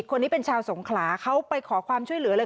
คนนี้เป็นชาวสงขลาเขาไปขอความช่วยเหลือเลย